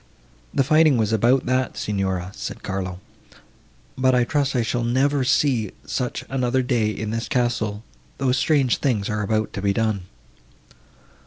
"The fighting was about that, Signora," said Carlo; "but I trust I shall never see such another day in this castle, though strange things are about to be done."